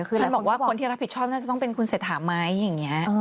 คุณบอกว่าคนที่รับผิดชอบน่าจะต้องเป็นคุณเสถาไม้อย่างนี้